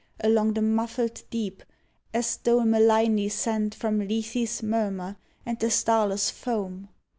Along the muffled deep. As tho malignly sent From Lethe's murmur and the starless foam.